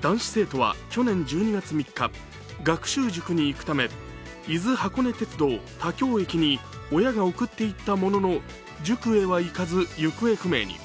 男子生徒は去年１２月３日、学習塾に行くため伊豆箱根鉄道・田京駅に親が送っていったものの塾へは行かず、行方不明に。